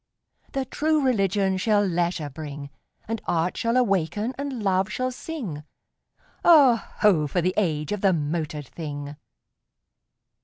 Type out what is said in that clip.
The True Religion shall leisure bring; And Art shall awaken and Love shall sing: Oh, ho! for the age of the motored thing!